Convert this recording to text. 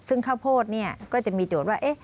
ซึ่งข้าวโพดเนี่ยก็จะมีโจทย์ว่า